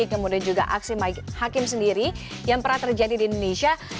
kemudian juga aksi hakim sendiri yang pernah terjadi di indonesia